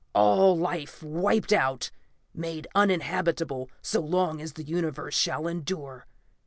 All life wiped out; made uninhabitable so long as the Universe shall endure.